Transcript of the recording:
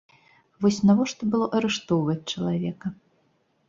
Вось навошта было арыштоўваць чалавека?